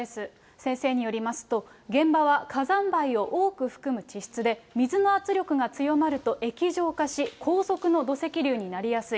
先生によりますと、現場は火山灰を多く含む地質で、水の圧力が強まると液状化し、高速の土石流になりやすい。